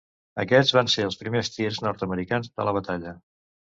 Aquests van ser els primers tirs nord-americans de la batalla.